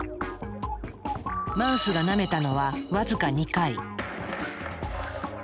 マウスがなめたのは僅か２回。